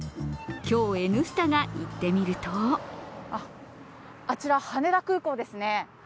今日、「Ｎスタ」が行ってみるとあちら羽田空港ですね。